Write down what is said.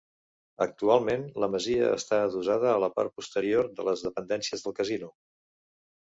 Actualment la masia està adossada a la part posterior de les dependències del Casino.